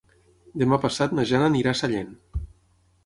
Demà passat na Jana anirà a Sallent.